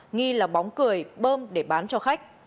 nghi là bóng cười bơm để bán cho khách